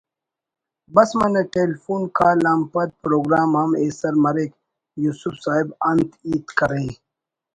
بس منہ ٹیلفون کال آن پد پروگرام ہم ایسر مریک یوسف صاحب انت ہیت کرے